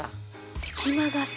隙間がさ。